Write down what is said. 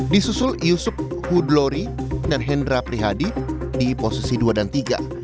disusul yusuf hudlori dan hendra prihadi di posisi dua dan tiga